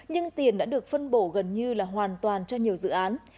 nhưng tiền đã được phân bổ gần như là hoàn toàn cho nhiều dự án